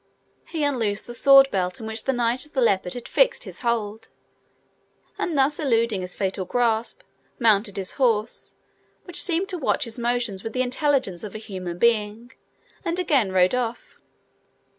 He unloosed the sword belt, in which the Knight of the Leopard had fixed his hold, and, thus eluding his fatal grasp, mounted his horse, which seemed to watch his motions with the intelligence of a human being, and again rode off.